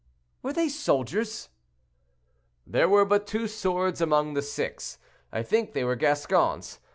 "Were they soldiers?" "There were but two swords among the six; I think they were Gascons.